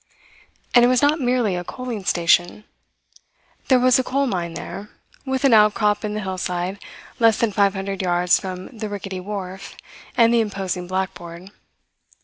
And it was not merely a coaling station. There was a coal mine there, with an outcrop in the hillside less than five hundred yards from the rickety wharf and the imposing blackboard.